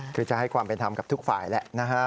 คือจะให้ความเป็นธรรมกับทุกฝ่ายแหละนะฮะ